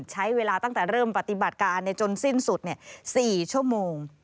ใช้เวลาตั้งแต่เริ่มปฏิบัติการจนสิ้นสุด๔ชั่วโมง